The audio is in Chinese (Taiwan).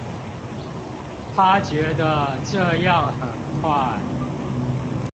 她覺得這樣很快